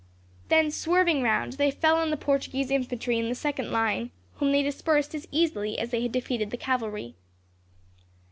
Then, swerving round, they fell on the Portuguese infantry in the second line, whom they dispersed as easily as they had defeated the cavalry.